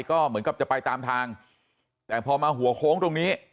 ก็เหมือนกับจะไปตามทางแต่พอมาหัวโค้งตรงนี้